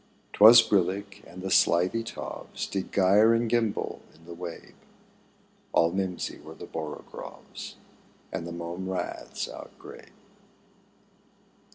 'Twas brillig, and the slithy toves Did gyre and gimble in the wabe ; All mimsy were the borogoves And the mome raths outgrabe.